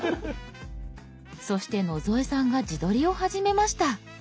そして野添さんが自撮りを始めました。